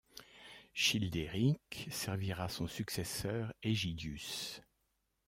Childéric servira son successeur Ægidius.